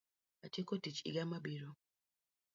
Atieko tiich iga mabiro.